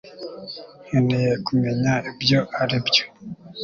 nkeneye kumenya ibyo aribyo